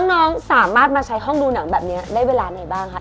น้องสามารถมาใช้ห้องดูหนังแบบนี้ได้เวลาไหนบ้างคะ